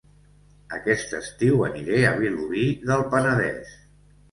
Aquest estiu aniré a Vilobí del Penedès